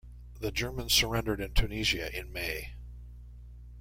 The Germans surrendered in Tunisia in May.